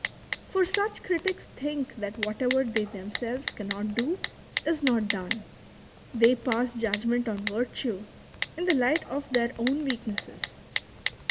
For such critics think that whatever they themselves cannot do, is not done ; they pass judgment on virtue in the light of their own weak nesses.